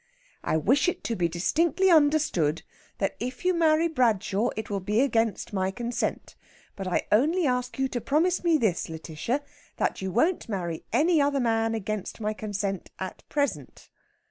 'I wish it to be distinctly understood that if you marry Bradshaw it will be against my consent. But I only ask you to promise me this, Lætitia, that you won't marry any other man against my consent at present.'